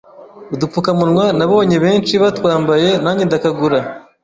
udupfukamunwa nabonye benshi batwambaye nange ndakagura,